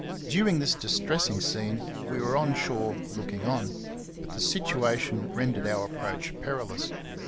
During this distressing scene we were on shore looking on; but the situation rendered our approach perilous.